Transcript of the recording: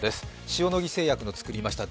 塩野義製薬の作りました